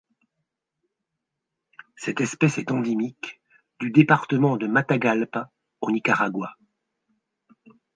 Cette espèce est endémique du département de Matagalpa au Nicaragua.